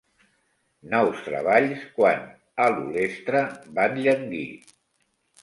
Nous treballs quant a l'olestra van llanguir.